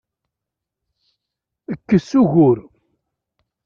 Kkes ugur!